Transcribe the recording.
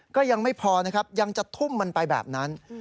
ก็ยังไม่พอนะครับยังจะทุ่มมันไปแบบนั้น